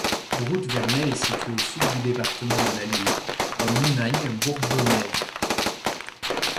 Broût-Vernet est située au sud du département de l'Allier, en Limagne bourbonnaise.